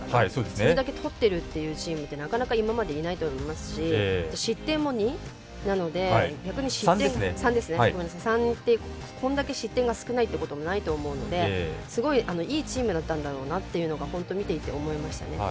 それだけ取ってるチームってなかなか今までいないと思いますし失点も３なので、これだけ失点が少ないっていうこともないと思うので、すごいいいチームだったんだろうなっていうのが本当、見ていて思いましたね。